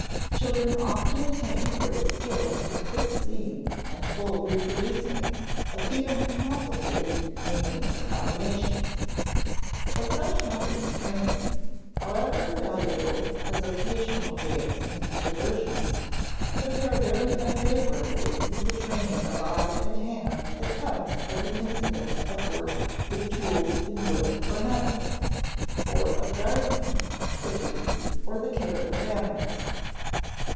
Children often attain great skill in quick seeing and full reproducing of even complicated meaningless combinations. But such methods of training however valuable as occasional games and diversions compare very unfavorably with the training of eye and hand that comes as an incident of work with tools in wood or metals, or of gardening, cooking, or the care of animals.